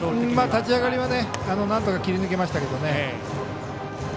立ち上がりはなんとか切り抜けましたけどね。